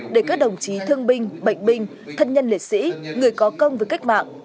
để các đồng chí thương binh bệnh binh thân nhân liệt sĩ người có công với cách mạng